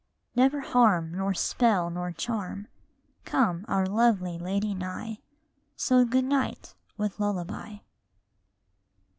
Never harm, nor spell, nor charm, Come our lovely lady nigh ! So good night, with lullaby.